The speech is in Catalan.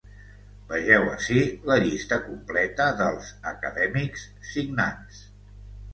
Vegeu ací la llista completa dels acadèmics signants.